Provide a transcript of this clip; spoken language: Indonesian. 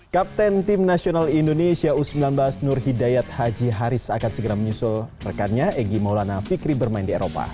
kapten tim nasional indonesia u sembilan belas nur hidayat haji haris akan segera menyusul rekannya egy maulana fikri bermain di eropa